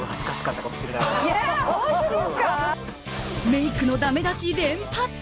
メイクのだめ出し連発。